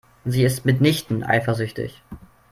Sie ist mitnichten eifersüchtig.